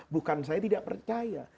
bukan saya tidak percaya